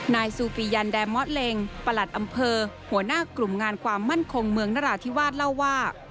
ซูปียันแดมะเล็งประหลัดอำเภอหัวหน้ากลุ่มงานความมั่นคงเมืองนราธิวาสเล่าว่า